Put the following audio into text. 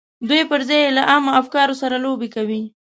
دوی پر ځای یې له عامو افکارو سره لوبې کوي